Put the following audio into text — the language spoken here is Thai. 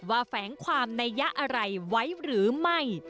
ว่าแฝงความนัยยะอะไรไว้หรือไม่